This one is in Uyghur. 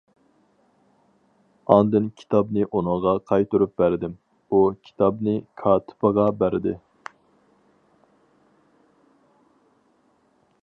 ئاندىن كىتابنى ئۇنىڭغا قايتۇرۇپ بەردىم، ئۇ كىتابنى كاتىپىغا بەردى.